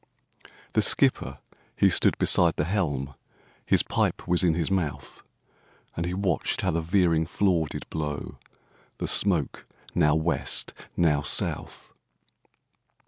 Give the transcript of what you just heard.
The skipper he stood beside the helm, His pipe was in his mouth, And he watched how the veering flaw did blow The smoke now West, now South.